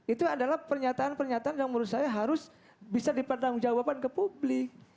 itu adalah pernyataan pernyataan yang menurut saya harus bisa dipertanggung jawaban ke publik